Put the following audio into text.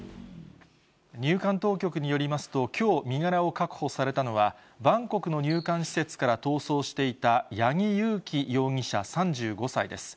入管当局によりますと、きょう、身柄を確保されたのは、バンコクの入管施設から逃走していた八木佑樹容疑者３５歳です。